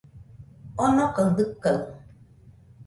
Onokaɨ dɨkaɨ